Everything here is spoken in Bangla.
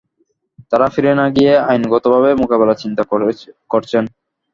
তারা ফিরে না গিয়ে আইনগতভাবে মোকাবেলার চিন্তা করছেন।